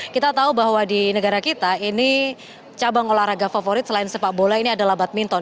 kita tahu bahwa di negara kita ini cabang olahraga favorit selain sepak bola ini adalah badminton